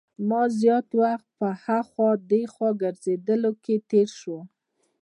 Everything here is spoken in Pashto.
زما زیات وخت په هاخوا دیخوا ګرځېدلو کې تېر شو.